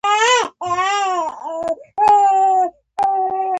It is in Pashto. د خوږو یادونو خوند زړه ته تسکین ورکوي.